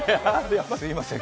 すみません。